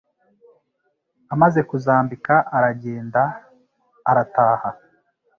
Amaze kuzambika aragenda arataha